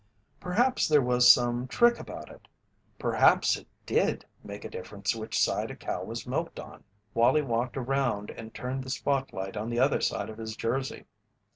Perhaps there was some trick about it perhaps it did make a difference which side a cow was milked on. Wallie walked around and turned the spot light on the other side of his Jersey.